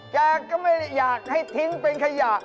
แกก็ไม่ได้อยากให้ทิ้งเป็นขยะ